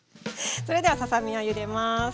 それではささ身をゆでます。